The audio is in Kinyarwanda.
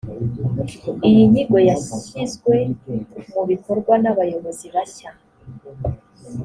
iyo nyigo yashyizwe mu bikorwa nabayobozi bashya